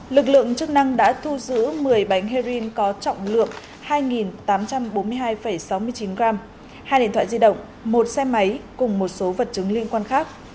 lực lượng chức năng đã thu giữ một mươi bánh heroin có trọng lượng hai tám trăm bốn mươi hai sáu mươi chín g hai điện thoại di động một xe máy cùng một số vật chứng liên quan khác